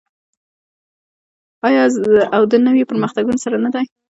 آیا او د نویو پرمختګونو سره نه دی؟